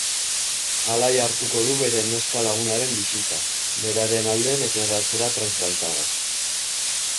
Alai hartuko du bere neska lagunaren visita, beraren alde deklaratzera prest baitago.